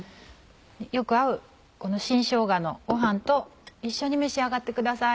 よく合うこの新しょうがのごはんと一緒に召し上がってください。